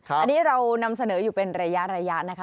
อันนี้เรานำเสนออยู่เป็นระยะนะคะ